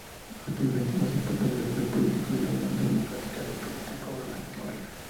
Su presidente más importante fue el político de la Unión Demócrata Independiente Pablo Longueira.